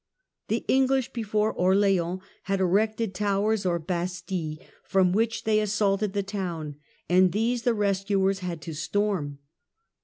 The Eng lish before Orleans had erected towers or bastilles, from which they assaulted the town, and these the rescuers had to storm.